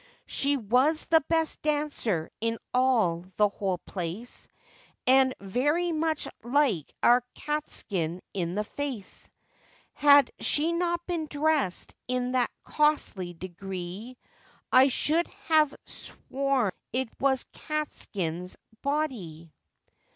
'She was the best dancer in all the whole place, And very much like our Catskin in the face; Had she not been dressed in that costly degree, I should have swore it was Catskin's body.